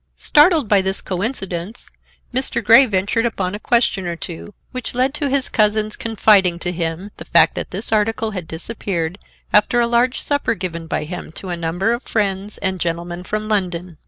Startled by this coincidence, Mr. Grey ventured upon a question or two, which led to his cousin's confiding to him the fact that this article had disappeared after a large supper given by him to a number of friends and gentlemen from London.